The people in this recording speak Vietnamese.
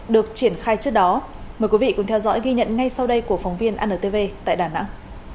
được triển khai trước đó mời quý vị cùng theo dõi ghi nhận ngay sau đây của phóng viên antv tại đà nẵng